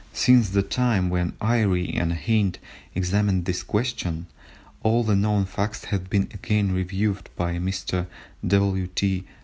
Since the time when Airy and Hind examined this question, all the known facts have been again reviewed by Mr. W. T.